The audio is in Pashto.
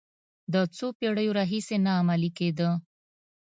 د څو پېړیو راهیسې نه عملي کېده.